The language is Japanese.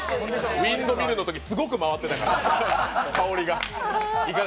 ウィンドミルのとき、すごく回ってたから、香りが。